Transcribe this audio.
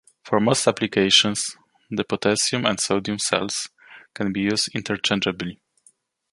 For most applications, the potassium and sodium salts can be used interchangeably.